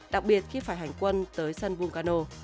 đặc biệt khi phải hành quân tới sân vulcano